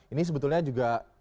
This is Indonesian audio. ini sebetulnya juga